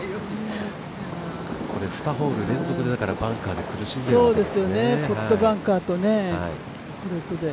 ２ホール連続でバンカーに苦しんでるわけですね。